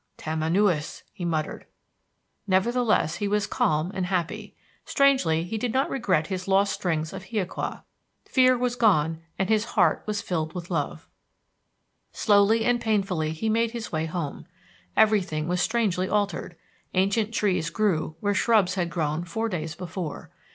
"Tamanoüs," he muttered. Nevertheless, he was calm and happy. Strangely, he did not regret his lost strings of hiaqua. Fear was gone and his heart was filled with love. Slowly and painfully he made his way home. Everything was strangely altered. Ancient trees grew where shrubs had grown four days before.